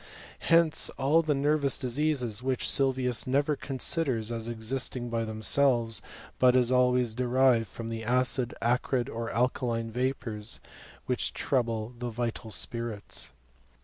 Hence all the nervous diseases, which Sylvius never considers as existing by themselves; but as always derived from the acid, acrid, or alka^ line vapours which trouble the vital spirits.